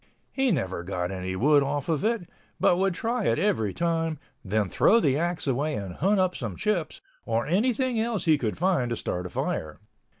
He never got any wood off of it, but would try it every time, then throw the axe away, and hunt up some chips, or anything else he could find to start a fire.